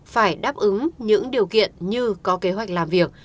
phải đáp ứng những điều kiện như có kế hoạch làm việc